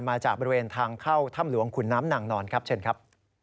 มาจากบริเวณทางเข้าถ้ำหลวงขุนน้ำนางนอนครับเชิญครับ